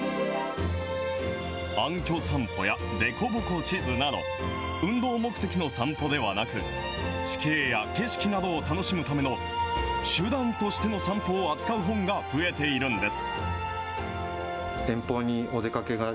暗きょ散歩や凸凹地図など、運動目的の散歩ではなく、地形や景色などを楽しむための手段としての散歩を扱う本が増えているんです。